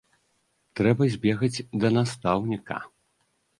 Трэба збегаць да настаўніка.